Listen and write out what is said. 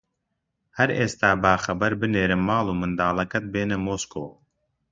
هەر ئێستا با خەبەر بنێرم ماڵ و منداڵەکەت بێنە مۆسکۆ